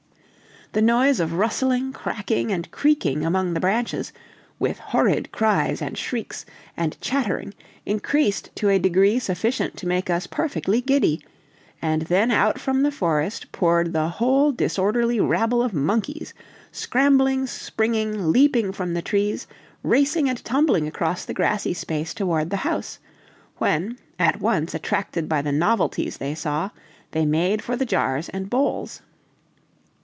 The noise of rustling, cracking, and creaking among the branches, with horrid cries, and shrieks, and chattering, increased to a degree sufficient to make us perfectly giddy; and then out from the forest poured the whole disorderly rabble of monkeys, scrambling, springing, leaping from the trees, racing and tumbling across the grassy space toward the house; when, at once attracted by the novelties they saw, they made for the jars and bowls.